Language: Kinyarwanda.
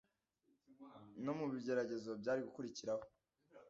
no mu bigeragezo byari gukurikiraho,